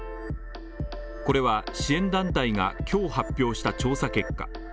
これは支援団体が今日発表した調査結果